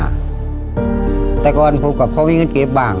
เมื่อก่อนพวกพะพี่เงินเก็บบ้าง